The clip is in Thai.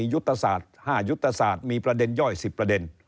๕ยุตภาษามีประเด็นย่อย๑๐ประเด็น